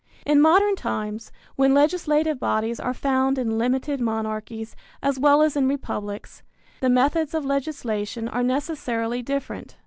In modern times, when legislative bodies are found in limited monarchies as well as in republics, the methods of legislation are necessarily different.